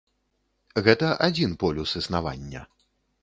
Гэта адзін полюс існавання.